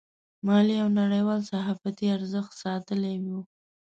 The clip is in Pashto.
ملي او نړیوال صحافتي ارزښت ساتلی و.